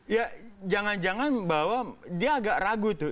ya jangan jangan bahwa dia agak ragu tuh